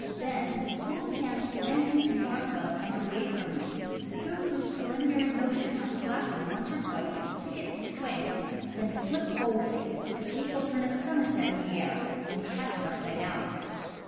Then hold pan slanting in front of and away from you, go through preliminary motion of flapping once or twice to get the swing, then flip boldly so cake will turn a somerset in the air, and catch it upside down.